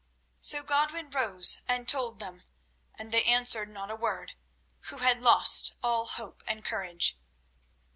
So Godwin rose and told them, and they answered not a word, who had lost all hope and courage.